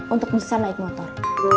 untuk bisa naik motor